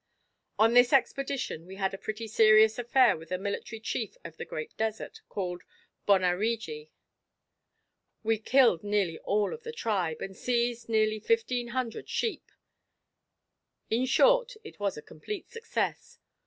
On this expedition we had a pretty serious affair with a military chief of the great desert, called Bon Arredji. We killed nearly all of the tribe, and seized nearly fifteen hundred sheep; in short, it was a complete success.